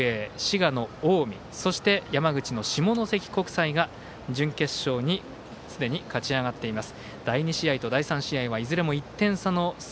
宮城の仙台育英、滋賀の近江そして、山口の下関国際が準決勝にすでに勝ち上がっています。